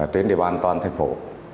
trên địa bàn toàn thành phố